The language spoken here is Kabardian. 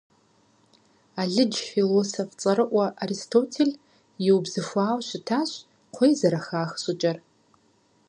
Алыдж философ цӀэрыӀуэ Аристотель иубзыхуауэ щытащ кхъуей зэрыхах щӀыкӀэр.